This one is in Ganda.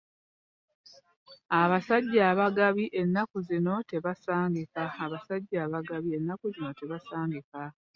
Abasajja abagabi ennaku zino tebasangika.